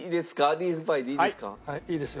リーフパイでいいですか？